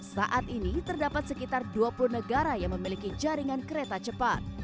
saat ini terdapat sekitar dua puluh negara yang memiliki jaringan kereta cepat